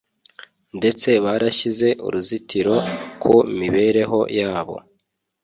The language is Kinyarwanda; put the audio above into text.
ndetse barashyize uruzitiro ku mibereho yabo.